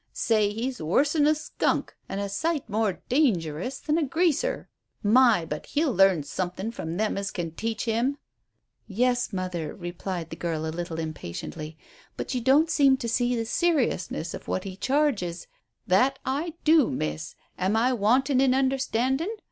"Say, he's worse'n a skunk, and a sight more dangerous than a Greaser. My, but he'll learn somethin' from them as can teach him!" "Yes, mother," replied the girl, a little impatiently; "but you don't seem to see the seriousness of what he charges " "That I do, miss. Am I wantin' in understandin'?